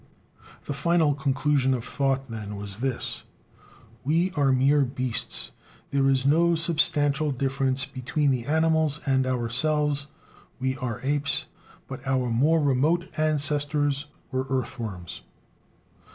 The final conclusion of thought, then, was this: "We are mere beasts, there is no substantial difference between the animals and ourselves; we are apes, but our more remote ancestors were earthworms."